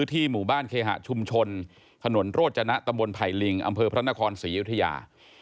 ที่หมู่บ้านเคหะชุมชนถนนโรจนะตำบลไผ่ลิงอำเภอพระนครศรีอยุธยา